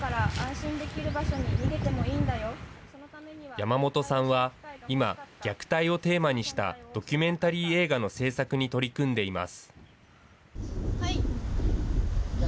山本さんは今、虐待をテーマにしたドキュメンタリー映画の製作に取り組んでいます。